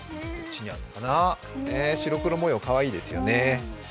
白黒模様かわいいですよね。